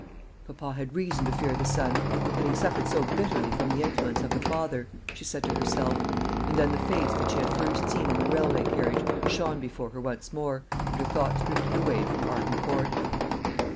"Papa had reason to fear the son, having suffered so bitterly from the influence of the father," she said to herself; and then the face that she had first seen in the railway carriage shone before her once more, and her thoughts drifted away from Arden Court.